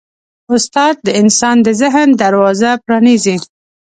استاد د انسان د ذهن دروازه پرانیزي.